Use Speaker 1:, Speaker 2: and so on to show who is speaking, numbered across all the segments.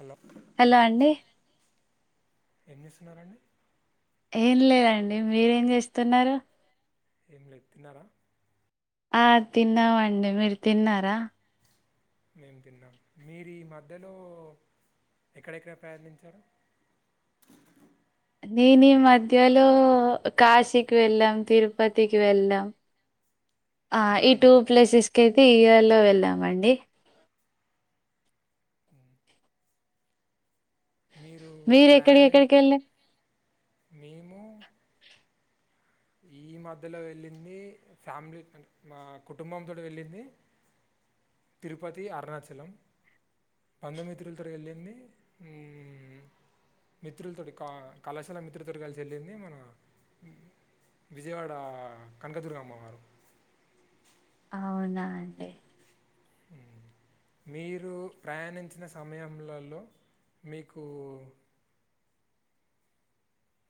Speaker 1: Hello
Speaker 2: hello అండి
Speaker 1: ఏం చేస్తున్నారండి
Speaker 2: ఏం లేదండి మీరేం చేస్తున్నారు
Speaker 1: ఏంలె తిన్నారా
Speaker 2: ఆ తిన్నామండి మీరు తిన్నారా
Speaker 1: మేము తిన్నాం మీరు ఈ మధ్యలో ఎక్కడెక్కడ ప్రయనిచారు
Speaker 2: నేను ఈ మధ్యలో కాశీకి వెళ్ళాం తిరుపతికి వెళ్ళాం ఆ ఈ
Speaker 1: మ్మ్,
Speaker 2: టూ ప్లేసెస్కి అయితే ఈ ఈయర్ లో వెళ్ళామండి
Speaker 1: మ్మ్. మీరు
Speaker 2: మీరేక్కడ
Speaker 1: ప్రయాణం
Speaker 2: ఎక్కడకి వెళ్లేరు
Speaker 1: మేము ఈ మధ్యలో వెళ్ళింది ఫ్యామిలీ మా కుటుంబం తోటి వెళ్ళింది తిరుపతి అరుణాచలం బంధుమ్మిత్రులతో వెళ్ళింది మిత్రులతోటి కళాశాల మిత్రులతో కలిసి వెళ్ళింది మన విజయవాడ కనకదుర్గ అమ్మవారు
Speaker 2: అవునా అండి
Speaker 1: ఉ మీరు ప్రయాణించిన సమయంలలో మీకు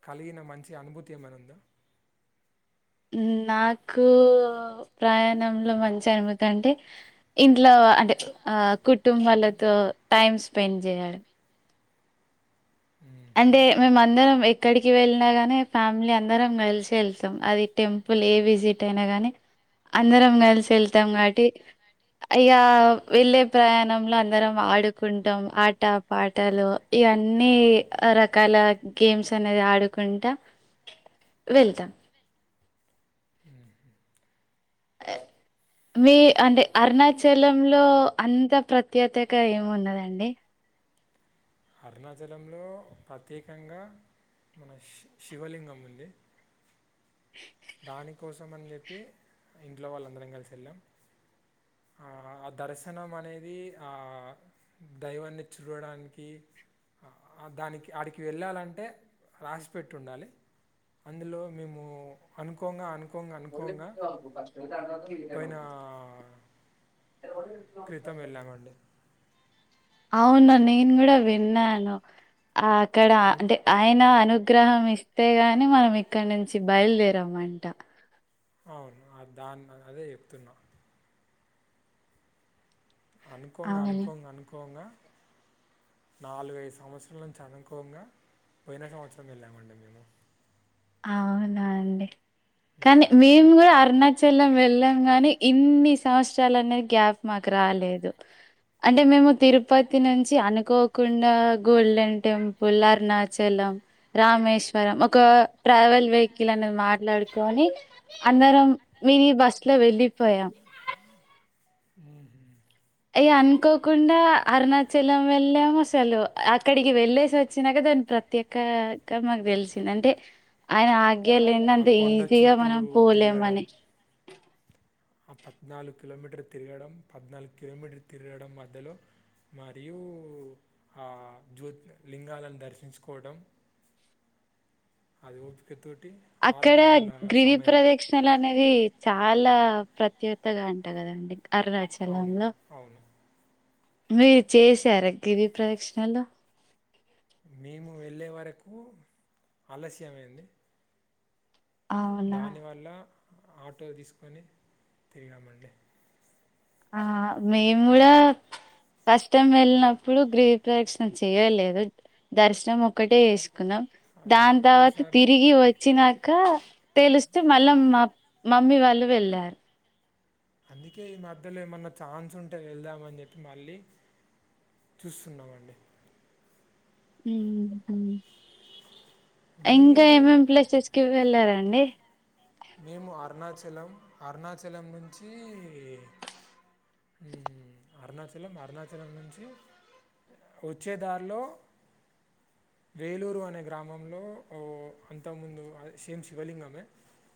Speaker 1: కలిగిన మంచి అనుభూతి ఏమైన ఉందా
Speaker 2: హ్మ్ నాకు ప్రయాణంలో మంచి అనుభతి అంటే ఇంట్లో అంటే ఆ కుటుంబాలతో టైం స్పెండ్ చేయాడం
Speaker 1: మ్మ్హ్
Speaker 2: అంటే మేమ అందరం ఎక్కడికి వెళ్ళినా గాని ఫ్యామిలీ అందరం కలిసి వెళ్తాం అది టెంపుల్ ఇప్పులు ఏ విజిట్ అయినా గానీ అందరం కలిసి వెళ్తాం కాబట్టి ఇగా వెళ్ళే ప్రయాణంలో అందరం ఆడుకుంటాం ఆట పాటలు ఇ అన్నీ రకాల గేమ్స్ అనేది ఆడుకుంటా వెళ్తాం
Speaker 1: మ్మ్.
Speaker 2: అవు మీ అంటే అరుణాచలంలో అంత ప్రత్యేతక ఏమి ఉన్నదండి
Speaker 1: అవు అరుణాచలంలో ప్రత్యేకంగా మన శి శివలింగం ఉంది దానికోసం అని చెప్పి ఇంట్లో వాళ్ళు అందరం కలిసి వెళ్ళాం ఆ దర్శనం అనేది ఆ దైవాన్ని చూడడానికి దానికి ఆడికి వెళ్ళాలంటే రాసిపెట్టి ఉండాలి అందులో మేము అనుకోంగా అను కోంగా అనుకోంగా పోయినా
Speaker 2: ఒదు అవును నేను కూడా విన్నాను ఆ అక్కడ
Speaker 1: అన్
Speaker 2: అంటే ఆయన అను గ్రహం ఇస్తే గాని మనం ఇక్కడ నుంచి బయలుదేరంమంట
Speaker 1: అవును దాన్ని అదే చెప్తున్నా అనుకోంగా
Speaker 2: అవును.
Speaker 1: అనుకోంగా అనుకోంగా నాలుగ ఐదు సంవత్సరాల నుంచి అనుకోంగా పోయిన సంవత్సరం వెళ్ళామండి మేము
Speaker 2: అవునా అండి కానీ
Speaker 1: ఉమ్.
Speaker 2: మేము కూడా అరుణాచలం వెళ్ళాం గాని ఇన్ని సంవత్సరాలు అనేది గ్యాప్ మాకు రాలేదు అంటే మేము తిరుపతి నుంచి అనుకోకుండా గోల్డెన్ టెంపుల్ అరుణాచలం రామేశ్వరం ఒక ట్రావెల్ వెహికల్ అనేది మాట్లాడుకొని అందరం మీని బస్ లో వెళ్ళిపోయాం
Speaker 1: అ
Speaker 2: అయ అనుకోకుండా అరుణాచలం వెళ్ళాము అసలు అక్కడికి వెళ్ళేసి వచ్చినాకదని ప్రత్యేకంగా మాకు తెలిసింది అంటే ఆయన ఆగ్ గ్యలేంది
Speaker 1: ఆ
Speaker 2: అంత
Speaker 1: కొండ
Speaker 2: ఈజీగా
Speaker 1: చుట్టూ
Speaker 2: మనం
Speaker 1: తిరగడం
Speaker 2: పోలేమని
Speaker 1: ఆ పద్నాలుగు కిలోమీటర్ తిరగడం పద్నాలుగు కిలోమీటర్ తిరగడం మధ్యలో మరియు ఆ జ్యోతి లింగాలను దర్శించుకోవడం అది ఓపిక తో
Speaker 2: అక్కడ గిరి ప్రదక్షిణలు అనేది చాలా ప్రత్యేతగా అంట కదాండి
Speaker 1: అవును
Speaker 2: అరుణాచలంలో
Speaker 1: అవును
Speaker 2: మీరు చేసారా గిరి ప్రదక్షిణలు
Speaker 1: మేము వెళ్ళే వరకు ఆలస్యమైంది
Speaker 2: అవునా!
Speaker 1: దానివల్ల ఆటో తీసుకొని తిరిగామండి
Speaker 2: ఆహ మేము కూడా ఫస్ట్ టైం వెళ్ళినప్పుడు గిరి ప్రదక్షణ చేయలేదు దర్శనం ఒక్కటే ఎస్ కున్నం దాని
Speaker 1: అందుకే
Speaker 2: తర్వాత
Speaker 1: ఈసారి
Speaker 2: తిరిగి వచ్చినాక తెలిస్తే మళ్ళ మ మమ్మీ వాళ్ వెళ్ళారు
Speaker 1: అందుకే ఈ మధ్యలో ఏమన్న ఛాన్స్ ఉంటే వెళ్దామని చెప్పి మళ్ళీ. చూస్తున్నామండి.
Speaker 2: మ్హు ఇంకా
Speaker 1: మీరు
Speaker 2: ఏమేం ప్లేసెస్కి వెళ్లారండి? అండి
Speaker 1: మేము అరుణాచలం అరుణాచలం నుంచీ ఉహు అరుణాచలం అరుణాచలం నుంచి వచ్చే దారిలో వేలూరు అనే గ్రామంలో ఓ అంత ముందు అదె సేమ్ శివలింగమే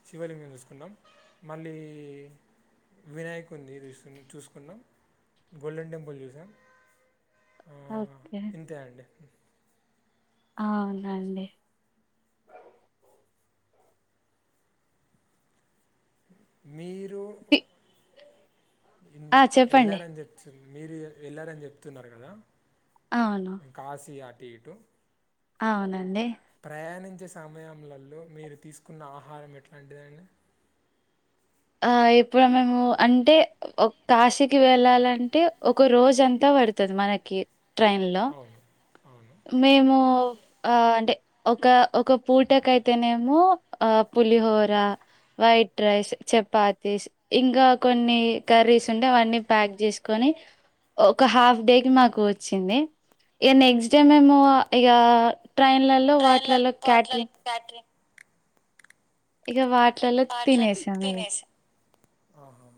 Speaker 1: శివలింగం చూసుకున్నాం. మళ్ళీ, వినాయకున్నీ చూసు చూసుకున్నాం. గోల్డెన్ టెంపుల్ చూసాం. ఆ
Speaker 2: ఓకే
Speaker 1: ఇంతే అండి.
Speaker 2: అవునండి.
Speaker 1: మీరు
Speaker 2: పి- ఆ చెప్పండి
Speaker 1: ఎల్లారని చెప్తే మీరు వెళ్ళారని చెప్తున్నారు కదా,
Speaker 2: అవును
Speaker 1: కాశీ అటు ఇటు.
Speaker 2: అవునండి
Speaker 1: ప్రయాణించే సమయంలలో మీరు తీసుకున్న ఆహారం ఎట్లాంటిదండి?
Speaker 2: ఆ ఇప్పుడు మేము అంటే కాశీకి వెళ్ళాలంటే ఒక రోజంతా పడతది మనకి ట్రైన్ లో
Speaker 1: అవును అవును
Speaker 2: మేము ఆ అంటే ఒక ఒక పూటకైతేనేమో, ఆ పులిహోర, వైట్ రైస్ చెప్ పాతీస్, ఇంకా కొన్ని కర్రీస్ ఉంటె అవన్నీ ప్యాక్ చేసుకొని, ఒక హాఫ్ డేకి మాకు వచ్చింది. ఇక నెక్స్ట్ డే మేము ఇక ట్రైన్లలో
Speaker 1: ట్రైన్లలో
Speaker 2: వాటిలలో
Speaker 1: పాట్లలో
Speaker 2: క్యాటరింగ్
Speaker 1: క్యాటరింగ్
Speaker 2: ఇక వాటిలలో
Speaker 1: పాట్ల
Speaker 2: తినేసాం ఇగ.
Speaker 1: తినేసాం ఆహా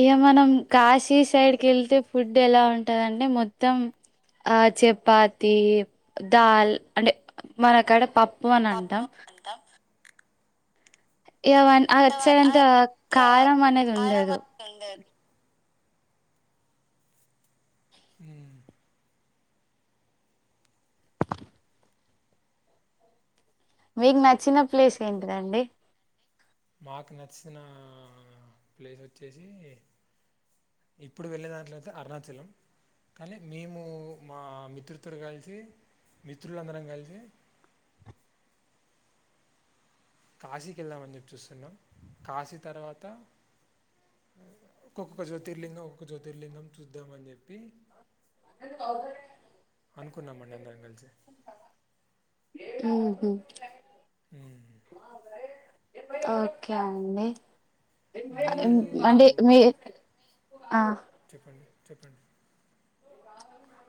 Speaker 2: ఇగ మనం కాశీ సైడ్ కి వెళ్తే ఫుడ్ ఎలా ఉంటందంటే మొత్తం ఆ చపాతి, దాల్ అంటే మనకాడ పప్ ప్పు అనంటాం
Speaker 1: పప్పు అంటాం
Speaker 2: ఇగ అవన్ ఆ అటు సైడ్
Speaker 1: అవన్ ఆ
Speaker 2: అంత కారం అనేది
Speaker 1: కారం
Speaker 2: ఉండదు.
Speaker 1: అనేది ఉండదు మ్
Speaker 2: మీకు నచ్చిన ప్లేస్ ఏంటిదండి?
Speaker 1: మాకు నచ్చిన ప్లేస్ వచ్చేసి, ఇప్పుడు వెళ్ళే దాంట్లో అయితే అరుణాచలం. కానీ మేము మా మిత్రుతురో కలిసి మిత్రులందరం కలిసి కాశీకి వెళ్దామని చెప్పి చూస్తున్నాం. కాశీ తర్వాత, ఒక్కొక్క జ్యోతిర్లింగం, ఒక్క జ్యోతిర్లింగం చూద్దాం అని చెప్పి
Speaker 2: అ
Speaker 1: అనుకున్నాం అండి అందరం కలిసి.
Speaker 2: మ్ హు
Speaker 1: మ్
Speaker 2: ఓకే అండి
Speaker 1: మీరు
Speaker 2: అంటే మీ, ఆ,
Speaker 1: చెప్పండి చెప్పండి.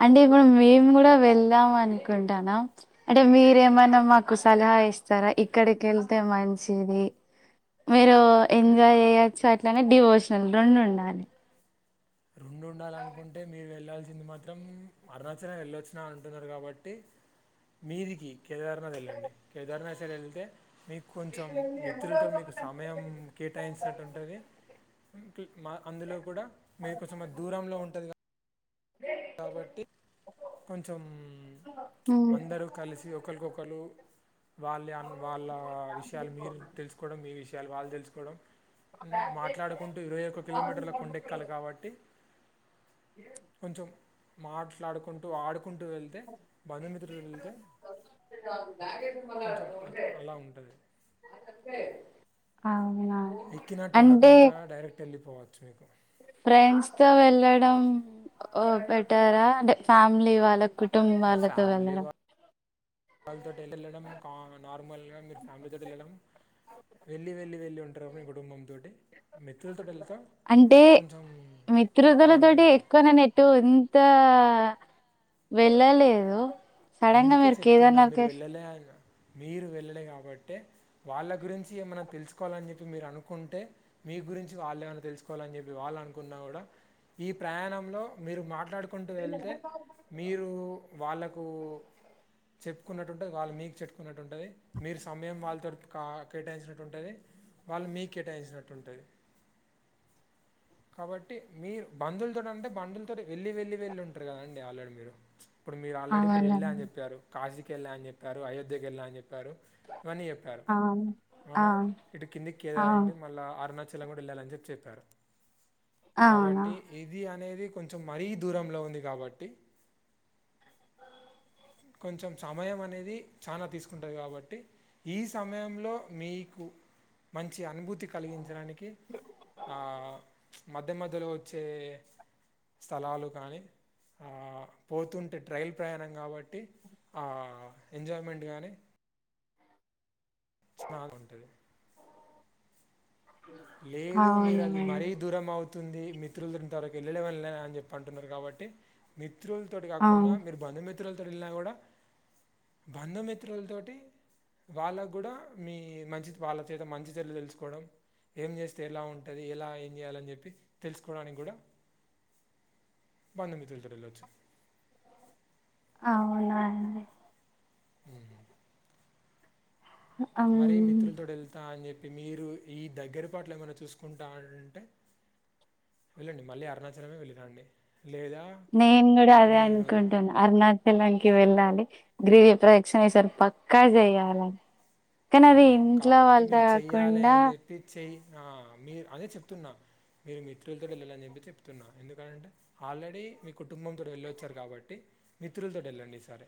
Speaker 2: అంటే ఇప్పుడు మేము కూడా వెళ్దాం అనుకుంటన్నాం. అంటే మీరేమన మాకు సలహా ఇస్తారా? ఇక్కడికెళ్తే మంచిది. మీరు ఎంజాయ్ చేయొచ్చు అట్లనే డివోషనల్ రొండు ఉండాలి.
Speaker 1: రెండు ఉండాలనుకుంటే మీరు వెళ్ళాల్సింది మాత్రం, అరుణాచలం వెళ్ళొచ్చినా అంటున్నారు కాబట్టి, మీదికి కేదార్నాథ్ వెళ్ళండి కేదారనాథ్ సైడ్ వెళ్తే మీకు కొంచెం మిత్రులతో మీకు సమయం కేటాయించినట్టు ఉంటుంది ఉంటూ మా అందులో కూడా మీ కొంచెం దూరంలో ఉంటది క కాబట్టి కొంచెం
Speaker 2: ఉమ్
Speaker 1: అందరూ కలిసి ఒకలీకొకలు వాళ్ళే అన్ వాళ్ళ విషయాలు మీరు తెలుసుకోవడం, మీ విషయాలు వాళ్ళు తెలుసుకోవడం. మాట్లాడుకుంటూ ఇరవై ఒక్క కిలోమీటర్ల కొండెక్కాలి కాబట్టి, కొంచెం మాట్లాడుకుంటూ ఆడుకు కుంటూ వెళ్తే బంధుమిత్రు వెళ్తే కొంచెం అట్లా అలా ఉంటుంది
Speaker 2: అవును
Speaker 1: ఎక్కినట్టు ఉండకుండా డైరెక్ట్ వెళ్ళిపోవచ్చు మీకు
Speaker 2: ఫ్రెండ్స్ తో వెళ్ళడం ఓ బెటరా అంటే ఫ్యామిలీ వాళ్ళ కు కుటుంబాలతో
Speaker 1: ఫ్యామిలీ
Speaker 2: వెళ్ళడం
Speaker 1: వాళ్ళతో వెళ్ళడం కా నార్మల్గా మీరు ఫ్యామిలీ తోటి వెళ్ళడం వెళ్ళి వెళ్ళి వెళ్ళి ఉంటారు మీ కుటుంబంతోటి మిత్రులతోటి వెళ్తా
Speaker 2: అంటే
Speaker 1: ఆనందంగా
Speaker 2: మిత్రుతలతోోటి
Speaker 1: ఉండదు
Speaker 2: ఎక్కువ నేను ఎటు ఇంత వెళ్ళలేదు సడన్ గా
Speaker 1: అందుకే
Speaker 2: మీరు
Speaker 1: చెప్తున్నా మీరు
Speaker 2: కేదార్నాథ్కి
Speaker 1: వెళ్ళలే ఆయన మీరు వెళ్ళి కాబట్టే వాళ్ళ గురించి ఏమైన్నా తెలుసుకోవాలని చెప్పి మీరు అనుకుంటే మీ మీ గురించి వాళ్ళు ఏమైనా తెలుసుకోవాలని చెప్పి వాళ్ళు అనుకున్నా కూడా ఈ ప్రయాణంలో మీరు మాట్లాడు కుంటూ వెళ్తే మీరు వాళ్ళకు చెప్పుకున్నట్టుంటుంది వాళ్ళ మీకు చెప్పుకున్నట్టు ఉంటుంది మీరు సమయం వాళ్ళతోటి క కేటాయించినట్టు ఉంటది వాళ్ళు మీ కేటాయించినట్ంటుంది కాబట్టి మీరు బంధులతో అంటే బంధులతోటి వెళ్ళలి వెళ్ళలి వెళ్ళలి ఉంటారు కదండి ఆల్రెడీ మీరు ఇప్పుడు మీరు ఆల్రెడీ ఇప్పుడు వెళ్ళ అని
Speaker 2: అవునండి
Speaker 1: చెప్పారు కాశీ కే వెళ్ళాలని చెప్పారు అయోధ్యకి వెళ్లా అని చెప్పారు ప్పారు ఇవన్న చెప్పారు
Speaker 2: అవును
Speaker 1: మనం
Speaker 2: అవును
Speaker 1: ఇటు కిందికి
Speaker 2: అవును
Speaker 1: కె మళ్ళ అరుణాచ చలం కూడా అని వెళ్లాలని చెప్పారు
Speaker 2: అవునా
Speaker 1: కాబట్టి ఇది అనేది కొంచెం మరీ దూరంలో ఉంది కాబట్టి కొంచెం సమయం అనేది చానా తీసుకుంటాది కాబట్టి ఈ సమయంలో మీకు మంచి అనుభూతి కలిగించడాని కి ఆ మధ్య మధ్యలో వచ్చే స్థలాలు కానీ ఆ పోతుంటే ట్రైల్ ప్రయాణం కాబట్టి ట్టి ఆ ఎంజాయ్మెంట్ కానీ చిమా బాగా ఉంటది లేదు మీరు అది
Speaker 2: అవునండి
Speaker 1: మరీ దూరం అవుతు తుంది మిత్రుల ఇంత వరకు వెళ్ళనే వెళ్ళలే అని చెప్ప అంటున్నారు కాబట్టి మీదు మిత్రులతోటి కాకుండా
Speaker 2: అవును
Speaker 1: మీరు బంధుమిత్రులతో వెళ్ళినా కూడా బంధుమిత్రులతోటి వాళ్ళకు కూడా మీ మంచి వాళ్ళ చేత మంచి చెడులు తెలుసుకోవడం ఏం చేస్తే ఎలా ఉంటది ఎలా ఏం చేయాలని చెప్పి తెలుసుకోవడానికి కూడా బంధుమిత్రులతోటి వెళ్ళొచ్చు
Speaker 2: అవునాండి
Speaker 1: మరీ మిత్రులతో వెళ్తా అని చెప్ పి మీరు ఈ దగ్గర పాట్లు లో ఏమైనా చూసుకుంటాా అంటే వెళ్ళండి మళ్ళీ అరుణాచలమే వెళ్లి రండి
Speaker 2: నేను కూడా అదే అనుకుంటున అరుణాచలానికి వెళ్ళాలి గ్రీవ ప్రదక్షణ ఈసారి పక్కా చేయ్యాల కానీ
Speaker 1: ఆ!
Speaker 2: అది ఇంట్లో
Speaker 1: కాబట్టి
Speaker 2: వాళ్ళ
Speaker 1: మీరు చెయ్యాలి
Speaker 2: కాకుండా
Speaker 1: అని చెప్పి చెయ్ ఆ మీ అదే చెప్తున్నా మీరు మిత్రులతో వెళ్ళాలని చెప్పి చెప్తున్నా ఎందుకంటే ఆల్రెడీ మీ కుటుంబంతో వెళ్ళొచ్చారు కాబట్టి మిత్రులతోటి వెళ్ళండి ఈ సరి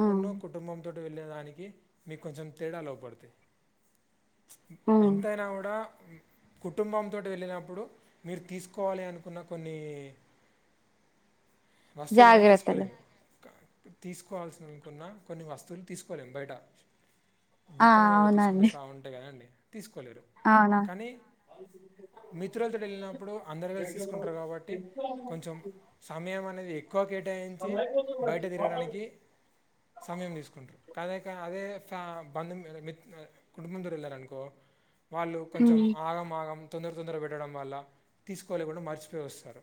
Speaker 2: మ్మ్
Speaker 1: కుటుంబం తోటి వెళ్ళేదానికి మీకు కొంచెం తేడాలు అగుపడతాయి
Speaker 2: మ్మ్
Speaker 1: ఎంతైనా కూడా కుటుంబంతోటి వెళ్ళినప్పుడు మీరు తీసుకోవాలి అనుకున్న కొన్ని వస్తువులని
Speaker 2: జాగ్రత్తలు
Speaker 1: తీసుకోలేము తీసుకోవాల్సినవి కొన్న కొన్ని వస్తువులు తీసుకోలేం బయట
Speaker 2: ఆ
Speaker 1: దుకాణాలలో తీసుకుంటే
Speaker 2: అవునండి
Speaker 1: షాలంట కదండి తీసుకోలేరు
Speaker 2: అవునా
Speaker 1: కానీ మిత్రులతోటి వెళ్ళినప్పుడు అందరు కలిసి తీసుకుంటారు కాబట్టి కొంచెం సమయమ ఎక్కువ కేటాయించి బయట తిరగడానికి సమయం తీసుకుంటారు కాద అదే బంధు మిత్ కుటుంబంతో వెళ్ళారు అనుకో వాళ్ళు కొంచెం
Speaker 2: మ్మ్
Speaker 1: ఆగం ఆగం తొందర తొందర పెట్టడం వల్ల తీసుకోలేకుండా మర్చిపోయి వస్తారు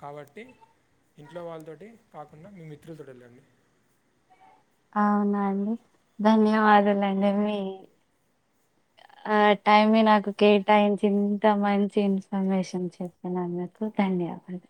Speaker 1: కాబట్టి ఇంట్లో వాళ్ళతోటి కాకుండా మీ మిత్రులతో వెళ్ళండి
Speaker 2: అవునవును ధన్యవాదలండి మీ ఆ టైమ్ నాకు కేటాయించి ఇంత మంచి ఇన్ఫర్మేషన్ చెప్పినందుకు మీకు థ్యాంక్ న్యదాలు